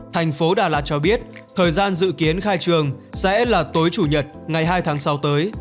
thành phố đà lạt cho biết thời gian dự kiến khai trường sẽ là tối chủ nhật ngày hai tháng sáu tới